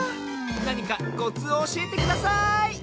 なにかコツをおしえてください